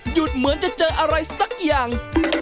เหมือนจะเจออะไรสักอย่าง